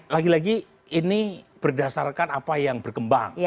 lagi lagi ini berdasarkan apa yang berkembang